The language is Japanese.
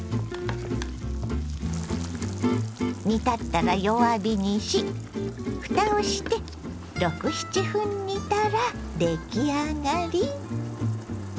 煮立ったら弱火にしふたをして６７分煮たら出来上がり。